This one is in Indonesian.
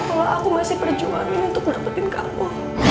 kalau aku masih berjuangin untuk berhubungin kamu